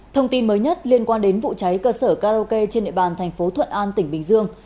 thông tin mới nhất liên quan đến vụ cháy cơ sở karaoke trên địa bàn thành phố thuận an tỉnh bình dương